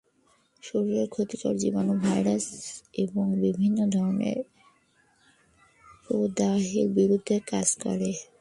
শরীরে ক্ষতিকর জীবাণু, ভাইরাস এবং বিভিন্ন ধরনের প্রদাহের বিরুদ্ধে কাজ করে।